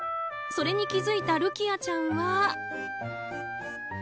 それに気付いたるきあちゃんは。